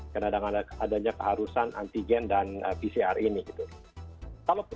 karena dengan adanya keharusan antigen dan pcr ini gitu